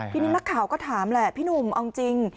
ทีนี้นักข่าวก็ถามแหละพี่หนุ่มเอาจริง